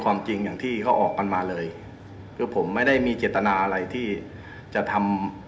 ความจริงอย่างที่เขาออกกันมาเลยคือผมไม่ได้มีเจตนาอะไรที่จะทำ